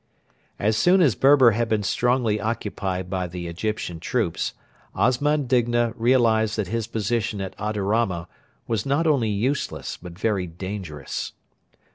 As soon as Berber had been strongly occupied by the Egyptian troops, Osman Digna realised that his position at Adarama was not only useless but very dangerous.